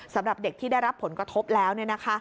สำหรับเด็กที่ได้รับผลกระทบแล้ว